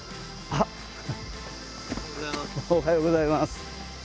おはようございます。